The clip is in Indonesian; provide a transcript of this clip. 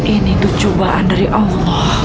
ini tuh cobaan dari allah